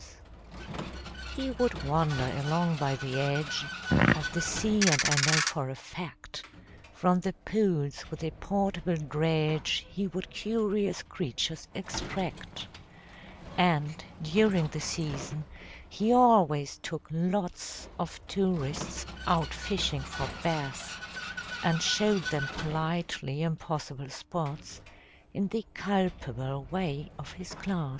He would wander along by the edge Of the sea, and I know for a fact From the pools with a portable dredge He would curious creatures extract: And, during the season, he always took lots Of tourists out fishing for bass, And showed them politely impossible spots, In the culpable way of his class.